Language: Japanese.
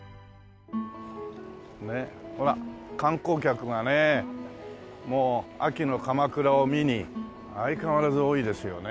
ねえほら観光客がねもう秋の鎌倉を見に相変わらず多いですよね。